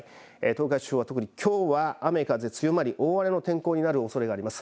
東海地方は特にきょうは雨風強まり大荒れの天候になるおそれがあります。